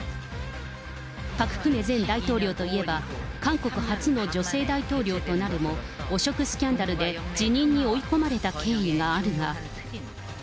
パク・クネ前大統領といえば、韓国初の女性大統領となるも、汚職スキャンダルで辞任に追い込まれた経緯があるが。